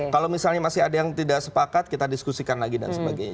kalau misalnya masih ada yang tidak sepakat kita diskusikan lagi dan sebagainya